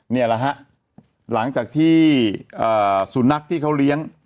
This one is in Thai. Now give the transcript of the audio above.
นี่แหละฮะหลังจากที่สุนัขที่เขาเลี้ยง